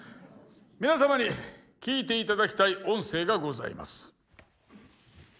皆様に聞いて頂きたい音声がございます。